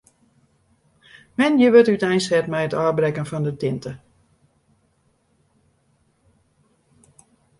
Moandei wurdt úteinset mei it ôfbrekken fan de tinte.